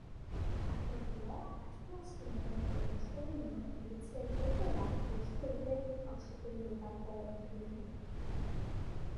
Akordioa asteazkenean edo ostegunean irits litekeela uste dute auzitegietako iturriek.